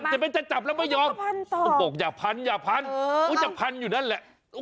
จับมั้ยจับแล้วไม่ยอมต้องบอกอย่าพันอย่าพันอย่าพันอยู่นั่นแหละเออ